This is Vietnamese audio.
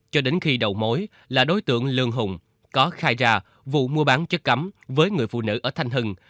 cho đến khi đầu mối là đối tượng lương hùng có khai ra vụ mua bán chất cấm với người phụ nữ ở thanh hưng